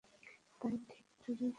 তাই ঠিক চুরি করিনি।